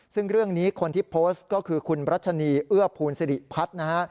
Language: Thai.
ซึ่งเรื่องนี้คนที่โพสต์ก็คือคุณรัชนีเอื้อภูลสิริพัฒน์นะฮะ